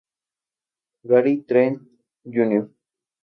Gary Trent Jr.